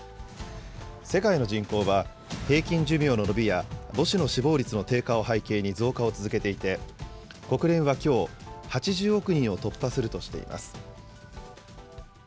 世界の人口は平均寿命の伸びや母子の死亡率の低下を背景に増加を続けていて、国連はきょう、８０億人を突破するとしています。